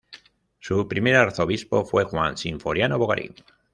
Su primer arzobispo fue Juan Sinforiano Bogarín.